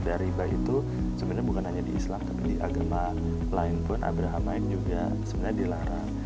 dari bah itu sebenarnya bukan hanya di islam tapi di agama lain pun abraham main juga sebenarnya dilarang